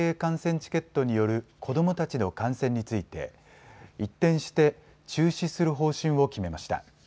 チケットによる子どもたちの観戦について一転して中止する方針を決めました。